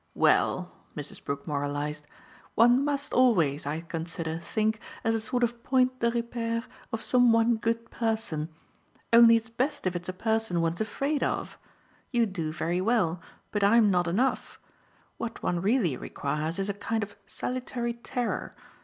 "Well," Mrs. Brook moralised, "one must always, I consider, think, as a sort of point de repere, of some one good person. Only it's best if it's a person one's afraid of. You do very well, but I'm not enough. What one really requires is a kind of salutary terror.